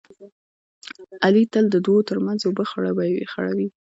علي تل د دوو ترمنځ اوبه خړوي.